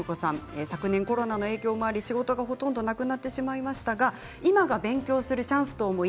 昨年コロナの影響もあり仕事がほとんどなくなってしまいましたが今が勉強するチャンスと思い